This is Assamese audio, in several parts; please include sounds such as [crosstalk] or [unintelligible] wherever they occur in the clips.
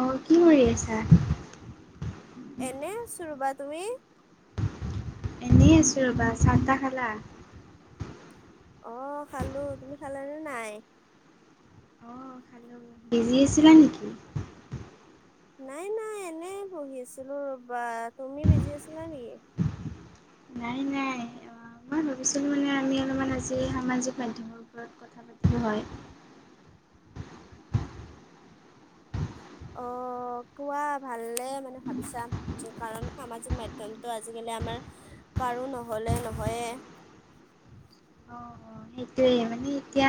অ কি কৰি আছা? এনে আছো ৰ'বা তুমি এনেই আছো ৰবা। চাহ টাহ খালা। অ খালো? তুমি খালানে নাই? অ খালো। বিজি আছিলা নেকি? নাই নাই এনে পঢ়ি আছিলো ৰবা। তুমি বিজি আছিলা নেকি? নাই নাই। মই ভাবিছিলোঁ মানে আমি অলপমান আজি সামাজিক মাধ্যমৰ ওপৰত কথা পাতিলো হয়। [inaudible] অ কোৱা ভালে মানে ভাবিছা কাৰণ সামাজিক মাধ্যমটো আজিকালি আমাৰ কাৰো নহ'লে নহয়ে। অ সেইটোয়ে মানে এতিয়া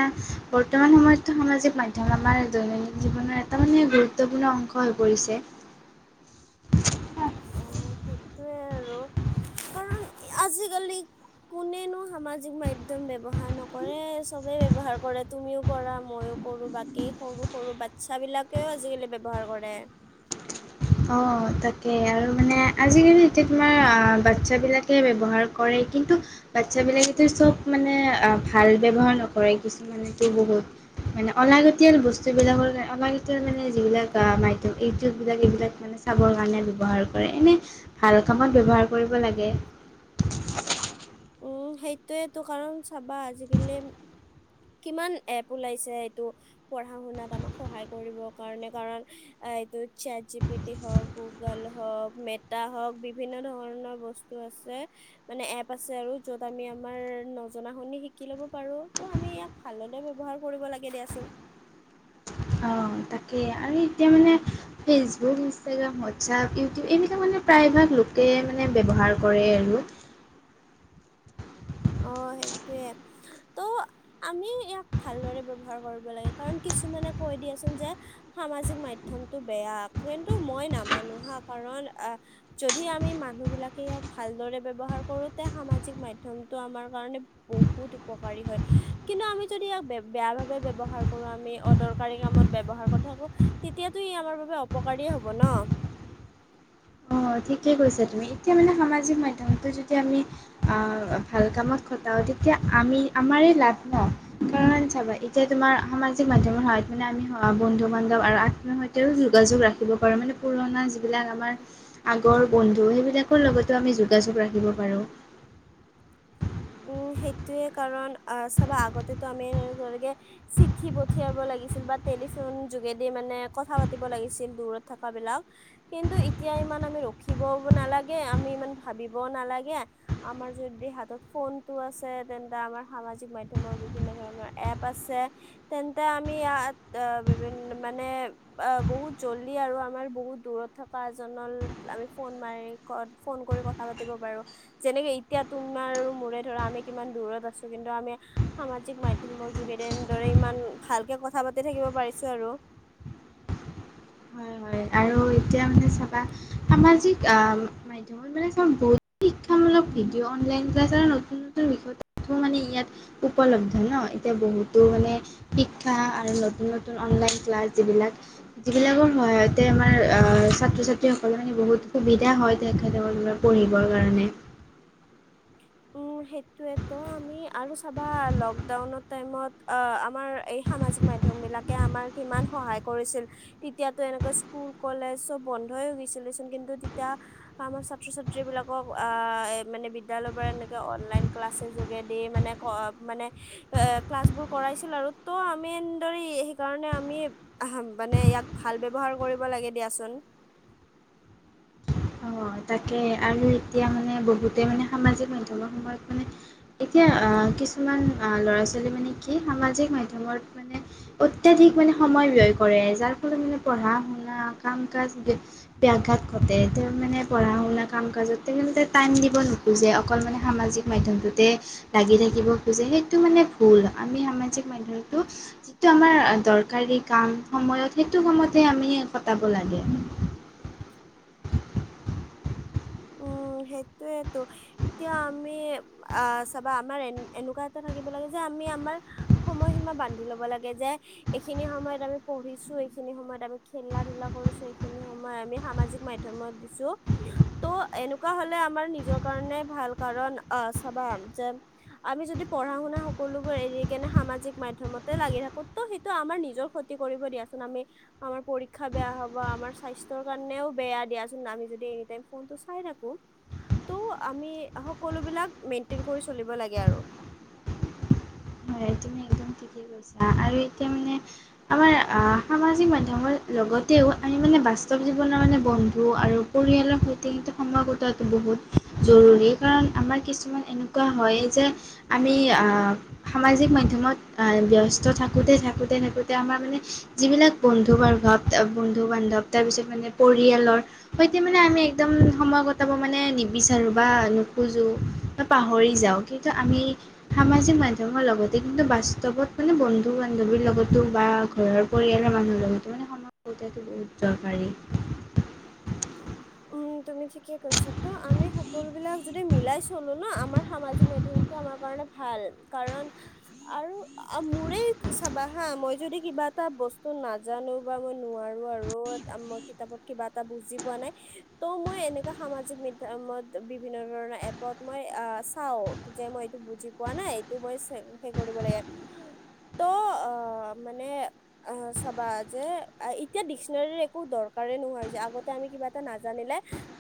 বৰ্তমান সময়তো সামাজিক মাধ্যম আমাৰ দৈনন্দিন জীৱনৰ এটা মানে গুৰুত্বপূৰ্ণ অংশ হৈ পৰিছে। অ সেইটোৱে আৰু কাৰণ আজিকালি কোনেনো সামাজিক মাধ্যম ব্যৱহাৰ নকৰে, চবে ব্যৱহাৰ কৰে, তুমিও কৰা মইও কৰোঁ বাকী সৰু সৰু বাচ্ছ বিলাকেও আজিকালি ব্যৱহাৰ কৰে। [inaudible] অ তাকে আৰু মানে আজিকালি এতিয়া তোমাৰ আহ বাচ্ছা বিলাকে ব্যৱহাৰ কৰে। কিন্তু বাচ্ছ বিলাকেতো চব মানে আহ ভাল ব্যৱহাৰ নকৰে কিছুমানেতো বহুত মানে অনলাগতীয়াল বস্তুবিলাকৰ কাৰণে অনলাগতীয়াল মানে যিবিলাক মাধ্যম এইউটিউববিলাক এইবিলাক [unintelligible] মানে চাবৰ কাৰণে ব্যৱহাৰ কৰে, এনেই ভাল কামত ব্যৱহাৰ কৰিব লাগে। [inaudible] উম, সেইটোৱেটো কাৰণ চাবা আজিকালি কিমান এপ ওলাইছে এইটো পঢ়া শুনাত আমাক সহায় কৰিব কাৰণে, কাৰণ- এইটো চেট জি পি টি হওক, গুগল হওক, মেটা হওক বিভিন্ন ধৰণৰ বস্তু আছে মানে এপ আ আছে আৰু যত আমি আমাৰ নজনা শুনি শিকি লব পাৰো ত আমি ইয়াক ভালৰে ব্যৱহাৰ কৰিব লাগে। দিয়া চোন [inaudible] অ তাকে আৰু এতিয়া মানে ফেচবুক, ইনষ্টাগ্ৰাম, হোৱাটছপ, ইউটিউব এনেকুৱা মানে- প্ৰায় ভাগ লোকে মানে ব্যৱহাৰ কৰে আৰু অ সেইটোৱে ত' আমি ইয়াক ভালদৰে ব্যৱহাৰ কৰিব লাগে কাৰণ কিছুমানে কৈ দিয়াচোন যে সামাজিক মাধ্য- প্ৰথমটো বেয়া কিন্তু মই নামানো হা কাৰণ আহ যদি আমি মানুহ বিলাকে ইয়াক ভালদৰে ব্যৱহাৰ কৰোতে সামাজিক মাধ্যম ত আমাৰ কাৰণে বহুত উপকাৰী হয় কিন্তু আমি যদি ইয়াক বেয়া ভাবে ব্যৱহাৰ কৰো আমি অদৰকাৰী কামত ব্যৱহাৰ কৰি থাকো তেতিয়াতো ই আমাৰ বাবে অপকাৰীয়ে হব ন। অ ঠিকে কৈছে তুমি। এতিয়া মানে সামাজিক মাধ্যমত যেতিয়া আমি ভাল কামত খতাও তেতিয়া আমি আমাৰ লাভ ন কাৰণ চাবা এতিয়া তোমাৰ সামাজিক মাধ্যমৰ হয় মানে আমি বন্ধু বান্ধৱ আৰু আত্মীয় সৈতেও যোগাযোগ ৰাখিব পাৰোঁ মানে পুৰণা যিবিলাক আমাৰ ৰ বন্ধু সেইবিলাকৰ লগতো আমি যোগাযোগ ৰাখিব পাৰো, উম সেইটোয়ে কাৰণ আহ চাবা আগতেটো আমি এ চিঠি পঠিয়াব লাগিছিল বা [unintelligible] টেলিফোন যোগেদি মানে কথা পাতি লাগিছিল দূৰত থকা বিলাক কিন্তু এতিয়া ইমান আমি ৰখিবও নালাগে আমি ইমান ভাবিবও নালাগে, আমাৰ যদি হাতত ফোনতটো আছে তেন্তে আমাৰ সামাজিক মাধ্যমৰ বিভিন্ন ধৰণৰ এপ আছে তেন্তে আমি [unintelligible] আমি ইয়াত অ বিভিন্ন মানে অ বহুত জলদি আৰু আমাৰ বহুত দূৰত থকা এজন নল আমি ফোন মাৰি ফোন কৰি কথা পাতি পাৰো যেনেকে এতিয়া তোমাৰ মূৰে ধৰা আমি কিমান দূৰত আছো কিন্তু আমি সামাজিক মাধ্যমৰ যোগেদি এনেদৰে ইমান ভালকে [unintelligible] কথা পাতি থাকিব পাৰিছো আৰু হয়। হয় আৰু এতিয়া মানে চাবা সামাজিক আহ মাধ্যমত মানে কাম বহুত কি কাম [unintelligible] অলপ ভিডিঅ' অনলাইন ক্লাছৰ নতুকৈ বিষয়টো মানে ইয়াত উপলব্ধ ন, এতিয়া বহুত [unintelligible] মানে শিক্ষা আৰু নতুন নতুন অনলাইন ক্লাছ যিবিলাক যিবিলাকৰ সহায়ত তাতে আমাৰ আহ ছাত্ৰ ছাত্ৰীসকলে মানে বহুত সুবিধা হয়, তেখেত পঢ়িবৰ কাৰণে [inaudible] সেইটোৱে ত আমি আৰু চাবা লকডাউনৰ টাইমত আ আমাৰ এই সামাজিক মাধ্যম [unintelligible] মাধ্যম বিলাকে আমাৰ কিমান সহায় কৰিছিল, তেতিয়াতো এনেকে স্কুল কলেজ চব বন্ধই গৈছিল, [unintelligible] হলে চোন কিন্তু তেতিয়া আমাৰ ছাত্ৰ ছাত্ৰী বিলাকক আঁহ এ মানে বিদ্যালয় পুৰা এনেকে অনলাইন ক্লাচে যোগেদি মানে ক মানে এ ক্লাছ বোৰ কৰাইছিল আৰু টো অহ আমি এনেদৰে সেইকাৰণে আমি আহা মানে ইয়াক ভাল ব্যৱহাৰ কৰিব লাগে দিয়াচোন। [inaudible] অ তাকে আৰু এতিয়া মানে বহুতে মানে সামাজিক মাধ্যমৰ সময়ত মানে এতিয়া আহ কিছুমান ল'ৰা ছোৱালী মানে কি সামাজিক মাধ্যমত মানে অত্যাধিক আজি কালি সময় লৈ কৰে, যাৰ ফলত মানে পঢ়া শুনা কাম কাজ বে ব্যাখা ঘাত ঘটে তেওঁ মানে পঢ়া শুনা কাম কাজতে তেখলোকে টাইম দিব নোখোজে, অকল মানে সামাজিক মাধ্যমটোতে লাগি থাকিব খোজে সেইটো মানে ভুল, আমি সামাজিক মাধ্যমটো যিটো আমাৰ দৰকাৰ ৰ কাম সময়ত সেইটো কামতেহে আমি কটাব লাগে। [inaudible] সেইটোৱেটো এতিয়া আমি আ চাবা আমাৰ এ এনেকুৱা এটা থাকিব লাগে যে আমি আমাৰ সময় সীমা বান্ধি লব লাগে যে এইখিনি সময়ত আমি পঢ়িছো এইখিনি সময়ত আৰ খেলা ধূলা কৰিছো এইখিনি সময় আমি সামাজিক মাধ্যমত দিছো। ত' এনেকুৱা হলে আমাৰ নিজৰ কাৰণে ভাল, কাৰণ আহ চাবা যে আমি যদি পঢ়া শুনা সকলোবোৰ এৰি কেনে সামাজিক মাধ্যমতে লাগি থাকো ত' সেইটো আমাৰ নিজৰ ক্ষতি কৰিব দিয়াচুণ আমি আমাৰ পৰীক্ষা বেয়া হব, আমাৰ স্বাস্থ্য কাৰণেও বেয়া দিয়াচোন আমি যদি এনি টাইম ফোনটো চাই থাকোঁ ত' আমি সকলো বিলাক মেইনটেইন কৰি চলিব লাগে আৰু। [inaudible] হয় তুমি একদম ঠিকে কৈছা আৰু এতিয়া মানে আমাৰ অ সামাজিক মাধ্যমৰ লগতেও আমি মানে বাস্তৱ জীৱনৰ মানে বন্ধু আৰু পৰিয়ালৰ সৈতে কিন্তু সময় কটোৱাটো বহুত জৰুৰী কাৰণ আমাৰ কিছুমান এনেকুৱা হয় যে আমি আ সামাজিক মাধ্যমত ব্যস্ত থাকোঁতে থাকোঁতে থাকোঁতে আমাৰ মানে যিবিলাক বন্ধু বাৰু ৱ বন্ধু বান্ধৱ, তাৰ পিছত মানে পৰিয়ালৰ সৈতে মানে আমি একদম সময় কটাব মানে নিবিচাৰো বা নোখোজো বা পাহৰি যাওঁ কিন্তু আমি সামাজিক মাধ লগতে কিন্তু বাস্তৱত মানে বন্ধু বান্ধৱীৰ লগতো বা ঘৰৰ পৰিয়ালৰ মানুহৰ লগতো মানে মানে সনত কুৰ্তাটো বহুত দৰকাৰী [unintelligible] উম তুমি ঠিকে কৈছ তো আমি সকলো বিলাক যদি মিলাই চলো ন আমাৰ সামাজিক মাধ্যম [unintelligible] সেইটো আমাৰ কাৰনে ভাল কাৰণ আৰু মোৰে চাবা হা মই যদি কিবা [unintelligible] এটা বস্তু নাজানো বা মই নোৱাৰো আৰু মই কিতাপত কিবা এটা বুজি পোৱা নাই। [unintelligible] ত' মই এনেকা সামাজিক মাধ্যমত বিভিন্ন ধৰণৰ এপত মই আহ চাও যে মই- এইটো বুজি পোৱা নাই এইটো মই সে কৰিব লাগে। ত অ মানে অ চাবা যে এতিয়া ডিক্স'নেৰি একো দৰকাৰে- [unintelligible] নোহোৱা হৈছে। আগতে আমি কিবা এটা নাজা- জানিলে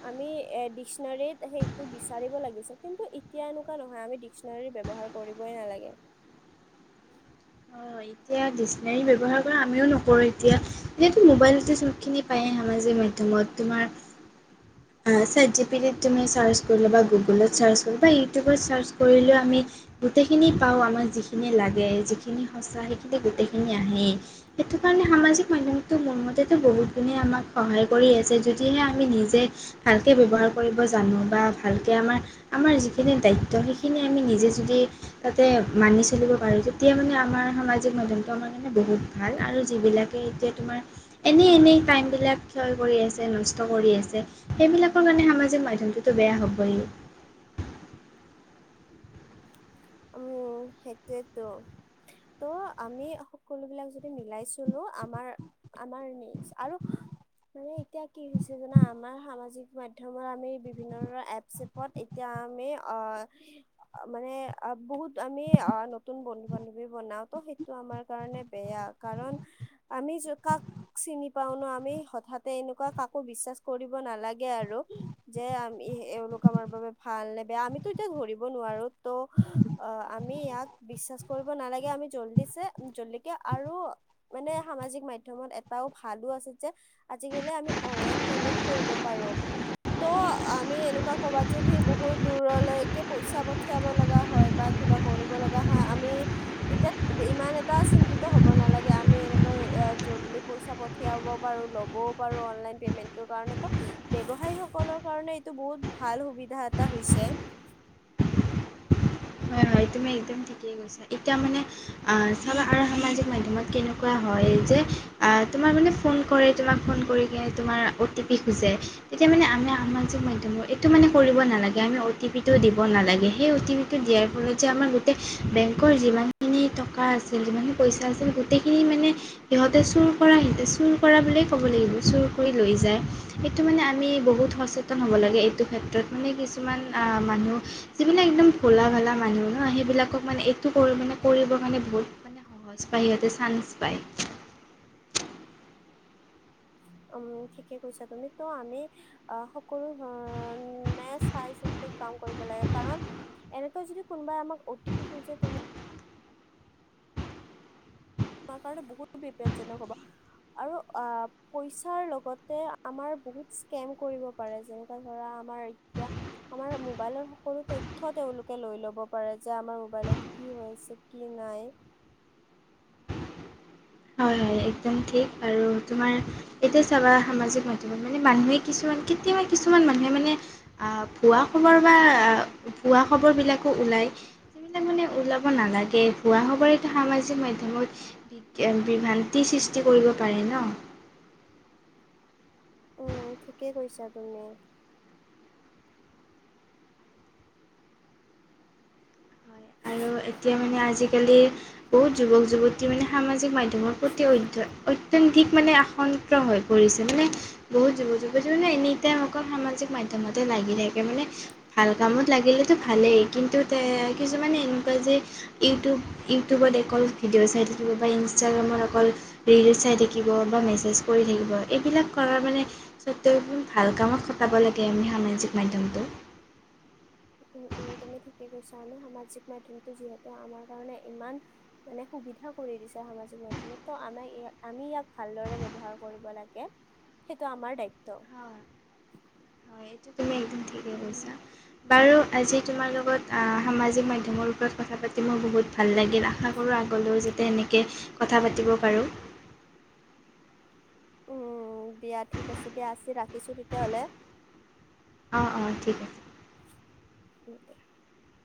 আমি এ ডিক্স'নাৰিত সেইটো বিচাৰিব লাগিছিল কিন্তু এতিয়া এনেকুৱা নহয় আমি- ডিক্সনাৰী ব্যৱহাৰ কৰিবই নালাগে। [inaudible] অ এতিয়া ডিক্সনাৰি ব্যৱহাৰ কৰা আমিও নকৰো এতিয়া যিহেতু মোবাইলতে চব খিনি পায়ে আমাৰ- [unintelligible] সামাজিক মাধ্যমত তোমাৰ- চাত জি পিডিত তুমি চাৰ্চ কৰিলে বা গুগোলত চাৰ্চ কৰিলো বা ইউটিউবত চাৰ্চ কৰিলেও আমি- গোটেইখিনি পাও আমাক যিখিনি লাগে যিখিনি সঁচা সেইখিনি গোটেইখিনি আহেই সেইটো- সেইকাৰণে সামাজিক মাধ্যমটো মোৰ মতেতো বহুত গুণে আমাক সহায় কৰি আছে। যদিহে আমি নিজে- ভালকে ব্যৱহাৰ কৰিব জানো বা ভালকে আমাৰ আমাৰ যিখিনি দায়িত্ব সেইখিনি আমি নিজে যদি- মানি চলিব পাৰো। তেতিয়া মানে আমাৰ সামাজিক ন আমাৰ কাৰণে বহুত ভাল আৰু- যিবিলাকে এতিয়া তোমাৰ এনেই এনেই টাইমবিলাক ক্ষয় কৰি আছে নষ্ট কৰি আছে- সেইবিলাকৰ কাৰণে সামাজিক মাধ্যমটোতো বেয়া হ'বই। উম সেইটোয়েতো। ত' আমি সকলো বিলাক যদি মিলাই চলো আমাৰ আমাৰ নি আৰু- মানে এতিয়া কি হৈছে জানা আমাৰ সামাজিক মাধ্যমত আমি বিভিন্ন ধৰণৰ এপ চেপত এতিয়া- আমি অ মানে- বহুত আমি নতুন বন্ধু বান্ধৱী বনাওঁ তো সেইটো আমাৰ কাৰণে বেয়া কাৰণ- আমি কাক চিনি পাও ন আমি হঠাতে এনেকুৱা কাকো বিশ্বাস কৰিব নালাগে। যে আমি এওঁলোক আমাৰ বাবে ভাল নে বেয়া আমিতো এতিয়া ধৰিব নোৱাৰো। অ। আমি ইয়াক বিশ্বাস কৰিব নালাগে আমি জল্দিছে জলদিকে আৰু মানে সামাজিক মাধ্য- মত এটাওঁ ভালো আছে যে আজিকালি অনলাইন পেমেণ্ট কৰিব পাৰো। ত' আমি এনেকুৱা কৰবাত যদি বহুত দূৰলৈকে পইচা পঠিয়াব লগা- হয় বা কিবা কৰিব লগা হয় আমি এতিয়া ইমান এটা চিন্তিত হব নালাগে। আমি- যেনেকৈ জল্দি পইচা পথিয়াব পাৰো লবও পাৰো অনলাইন পেমেন্ কাৰনে- ব্যৱসায়ী সকলৰ কাৰণে এইটো বহুত ভাল সুবিধা এটা হৈছে। [unintelligible] হয় তুমি একদম ঠিকেই কৈছা। এতিয়া মানে আঁ চাবা আৰু সামাজিক মাধ্যমত কেনেকুৱা হয়। তোমাৰ মানে ফোন কৰে তোমাক ফোন কৰি তোমাৰ অ' টি পি খোজে তেতিয়া মানে- সামাজিক মাধ্যমৰ এইটো মানে কৰিব নালাগে আমি অ' টি পি টো দিব নালাগে সেই অ' টি পিটো দিয়াৰ ফলত- যে আমাৰ গোটেই বেংকৰ যিমানখিনি টকা আছিল যিমানখিনি পইচা আছিল গোটেইখিনি মানে- সিহঁতে চুৰ কৰা সিহঁতে চুৰ কৰা বুলিয়েই ক'ব লাগিব চুৰ কৰি লৈ যায়। সেইটো মানে আমি বহুত- সচেতন হ'ব লাগে এইটো ক্ষেত্ৰত মানে কিছুমান মানুহ যিবিলাক একদম ভোলা ভালা মানুহ। সেইবিলাকক মানে এইটো কৰি মানে কৰিবৰ কাৰণে বহুত মানে- সহজ পাই সিহতে চান্স পায়। উম ঠিকে কৈছা তুমিতো আমি আহ সকলো ধৰণে চাই চো- কাম কৰিব লাগে কাৰণ এনেকৈ যদি কোনোবাই আমাক অ'টি পি খোজে তুমি- [unintelligible] তোমাৰ কাৰণে বহুত বিপদজনক হব। আৰু অ পইচাৰ লগতে আমাৰ বহুত স্কেম কৰিব পাৰে যেনেকা ধৰা- এতিয়া আমাৰ মোবাইলৰ সকলো তথ্য তেওঁলোকে লৈ ল'ব পাৰে যে আমাৰ মোবাইলত- কি হৈছে কি নাই। [unintelligible] হয় হয় একদম ঠিক আৰু তোমাৰ এতিয়া চাবা সামাজিক মাধ্যমত মানে মানুহে কিছুমান- কেতিয়াবা কিছুমান মানুহে মানে ভুঁৱা খবৰ বা ভুঁৱা খবৰ বিলাকো- উলিয়ায় সেইবিলাক মানে ওলাব নালাগে ভুৱা খবৰে সামাজিক মাধ্যমত- বিভ্ৰান্তিৰ সৃষ্টি কৰিব পাৰি ন উম ঠিকেই কৈছা তুমি আৰু এতিয়া মানে আজিকালি বহুত যুৱক যুৱতী মানে সামাজিক মাধ্যমৰ প্ৰতি অধ্যয়ন অধিক মানে আসন্ত হৈ পৰিছে মানে বহুত যুৱক যুৱতী মানে এনি টাইম অকল সামাজিক মাধ্যম টাইমতে লাগি থাকে মানে ভাল কামত লাগিলেতো ভালেই কিন্তু কিছুমানে ইউটোবত অকল ভিডিঅ'চাই থাকিব‌ পাৰে ইনচট্টেগ্ৰ্যাট অকল ৰিলচ চাই থাকিব বা মেছেজ কৰি থাকিব এইবিলাক কৰাৰ মানে সত্বে ভাল কামত কটাব লাগে সামাজিক মাধ্যমটো উম উম তুমি ঠিকে কৈছা আমি সামাজিক মাধ্যমটো যিহেতু আমাৰ কাৰণে ইমান মানে [unintelligible] সুবিধা কৰি দিছে সামাজিক মাধ্যমে ত' আমাক আমি ইয়াক ভালদৰে ব্যৱহাৰ কৰিব লাগে সেইটো আমাৰ দায়িত্ব উ হয় এইটো তুমি একদম ঠিকেই কৈছা বাৰু আজি তোমাৰ লগত সামাজিক মাধ্যমৰ ওপৰত [unintelligible] কথা পাতি মই বহুত ভাল লাগিল আশা কৰোঁ আগলৈও যাতে সেনেকৈ কথা পাতিব পাৰোঁ [unintelligible] [inaudible] উম দিয়া ঠিক আছে দিয়া আজি ৰাখিছো তেতিয়াহ'লে [unintelligible] অ অঁ ঠিক আছে [inaudible]